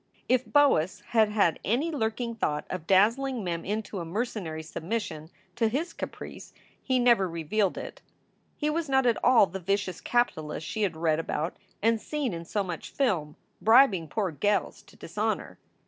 If Boas had had any lurking thought of dazzling Mem into a mercenary submission to his caprice, he never revealed it. He was not at all the vicious capitalist she had read about and seen in so much film, bribing poor gels to dishonor.